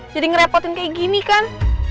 jadi ngerepotin kayak gini kan